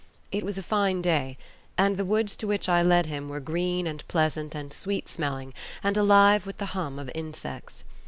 It was a fine day, and the woods to which I led him were green and pleasant and sweet smelling and alive with the hum of insects.